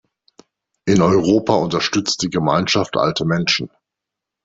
In Europa unterstützt die Gemeinschaft alte Menschen.